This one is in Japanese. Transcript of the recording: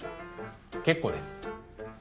結構です。